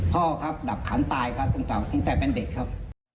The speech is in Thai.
พ่อครับดับขันตายครับคุณเก่าตั้งแต่เป็นเด็กครับ